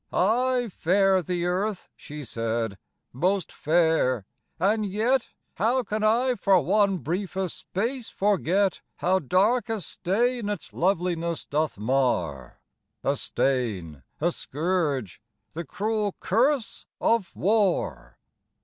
"Aye, fair the earth," she said, "most fair and yet How can I for one briefest space forget How dark a stain its loveliness doth mar; A stain, a scourge, the cruel curse of war!